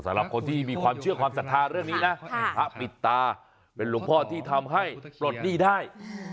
สำหรับคนที่มีความเชื่อความศรัทธาเรื่องนี้นะพระปิดตาเป็นหลวงพ่อที่ทำให้ปลดหนี้ได้